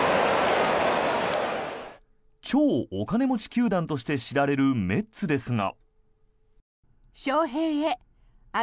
超お金持ち球団として知られるメッツですが。